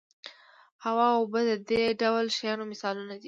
هوا او اوبه د دې ډول شیانو مثالونه دي.